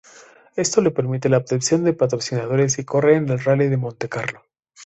Esto le permite la obtención de patrocinadores y correr en el Rally de Montecarlo.